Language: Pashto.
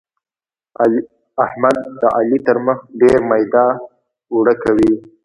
احمد د علي تر مخ ډېر ميده اوړه کوي.